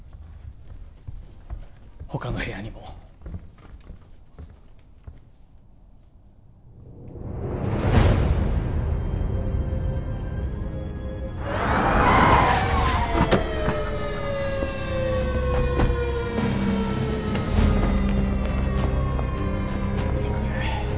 他の部屋にもすいません